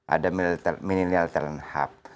ada mineral talent hub